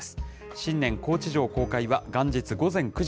新年、高知城公開は元日午前９時